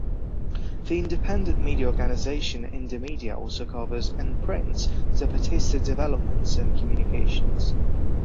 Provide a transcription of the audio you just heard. The independent media organization Indymedia also covers and prints Zapatista developments and communications.